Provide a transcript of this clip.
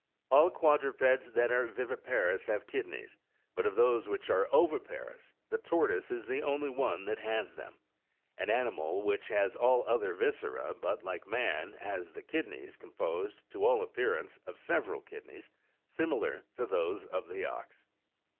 All quad rupeds that are viviparous have kidneys, but of those which are oviparous the tortoise is the only one that has them ; an animal which has all the other viscera, but, like man, has the kidneys composed, to all appearance, of several kidneys, similar to those of the ox.